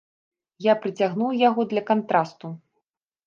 Я прыцягнуў яго для кантрасту.